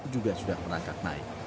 juga sudah merangkak naik